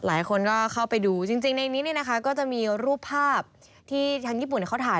หลายคนก็เข้าไปดูจริงในนี้เนี่ยนะคะก็จะมีรูปภาพที่ทางญี่ปุ่นเขาถ่าย